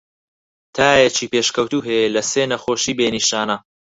تایەکی پێشکەوتوو هەیە لە سێ نەخۆشی بێ نیشانە.